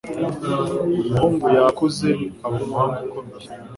Umuhungu yakuze aba umuhanga ukomeye